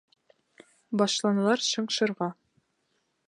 Башланылар шыңшырға!